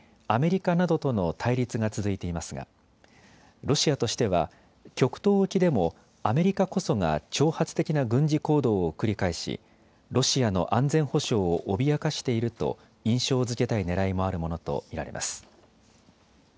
アメリカなどとの対立が続いていますがロシアとしては極東沖でもアメリカこそが挑発的な軍事行動を繰り返しロシアの安全保障を脅かしていると印象づけたいねらいもあるものと見られます。